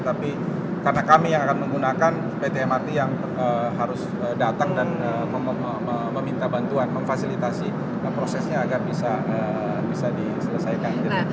tapi karena kami yang akan menggunakan pt mrt yang harus datang dan meminta bantuan memfasilitasi prosesnya agar bisa diselesaikan